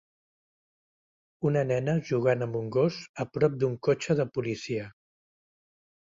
Una nena jugant amb un gos a prop d'un cotxe de policia.